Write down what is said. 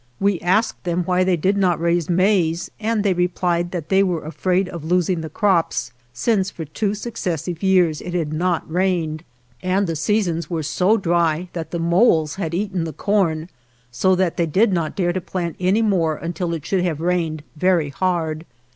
We asked them why they did not raise maize, and they replied that they were afraid of losing the crops, since for two successive years it had not rained, and the seasons were so dry that the moles had eaten the corn, so that they did not dare to plant any more until it should have rained very hard.